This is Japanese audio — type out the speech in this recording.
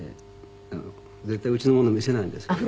絶対うちの者に見せないんですけどね。